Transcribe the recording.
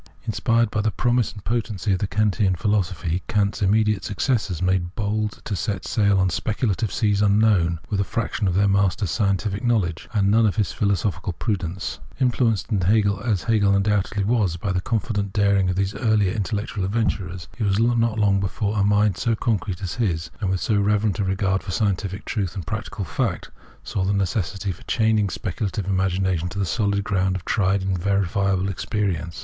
Inspired by the promise and potency of the Kantian philosophy, Kant's immediate successors made bold to set sail on speculative seas unknown, with a fraction of their master's scientific knowledge and none of his philosophical prudence. Influenced as Hegel undoubtedly was by the confident daring of these earlier intellectual adventurers, it was not long before a mind so concrete as his, and with so reverent a regard for scientific truth and practical fact, saw the necessity for chaining speculative imagination to the solid ground of tried and verifiable experience.